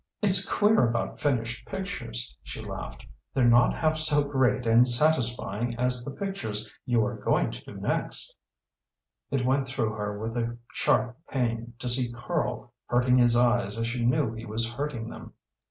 "It's queer about finished pictures," she laughed; "they're not half so great and satisfying as the pictures you are going to do next." It went through her with a sharp pain to see Karl hurting his eyes as she knew he was hurting them.